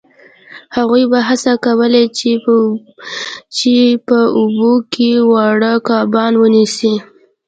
هغوی به هڅه کوله چې په اوبو کې واړه کبان ونیسي